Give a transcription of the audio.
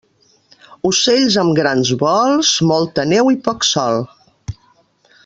Ocells amb grans vols, molta neu i poc sol.